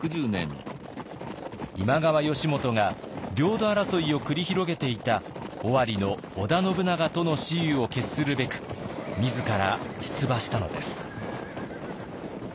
今川義元が領土争いを繰り広げていた尾張の織田信長との雌雄を決するべく自ら出馬したのです。